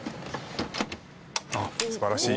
あっ素晴らしい。